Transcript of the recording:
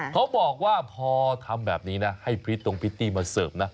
เขาบอกว่าพอทำแบบนี้นะให้พริตตรงพริตตี้มาเสิร์ฟนะ